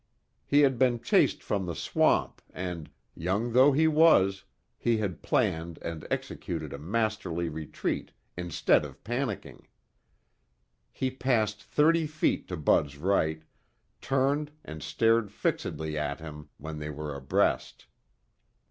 He had been chased from the swamp and, young though he was, he had planned and executed a masterly retreat instead of panicking. He passed thirty feet to Bud's right, turned and stared fixedly at him when they were abreast.